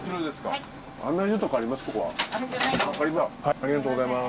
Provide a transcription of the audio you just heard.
ありがとうございます。